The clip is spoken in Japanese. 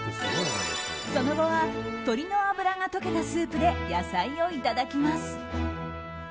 その後は鶏の脂が溶けたスープで野菜をいただきます。